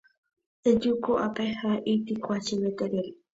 eju ko'ápe ha eitykua chéve terere